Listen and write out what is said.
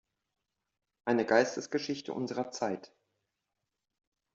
Eine Geistesgeschichte unserer Zeit".